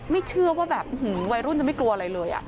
ไม่เชื่อว่าแบบวัยรุ่นจะไม่กลัวอะไรเลย